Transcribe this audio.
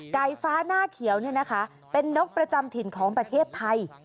ไก่ฟ้าหน้าเขียวเป็นนกประจำถิ่นของประเทศไทย